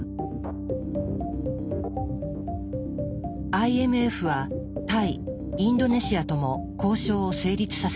ＩＭＦはタイインドネシアとも交渉を成立させました。